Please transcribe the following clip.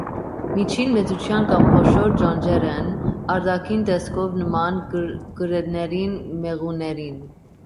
Միջին մեծության կամ խոշոր ճանճեր են, արտաքին տեսքով՝ նման կրետներին, մեղուներին։